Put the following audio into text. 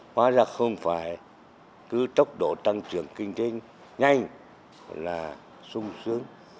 hóa ra không phải cứ tốc độ tăng trưởng kinh tế ngay là sung sướng